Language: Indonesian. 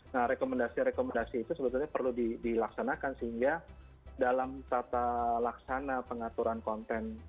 nah rekomendasi rekomendasi itu sebetulnya perlu dilaksanakan sehingga dalam tata laksana pengaturan konten